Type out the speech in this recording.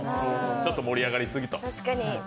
ちょっと盛り上がりすぎと。